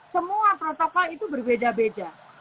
semua protokol itu berbeda beda